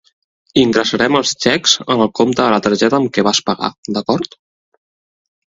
Ingressarem els xecs en el compte de la targeta amb què vas pagar, d'acord?